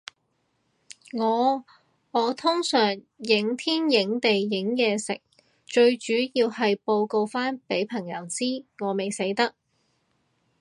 哦，我通常影天影地影嘢食，最主要係報告返畀朋友知，我未死得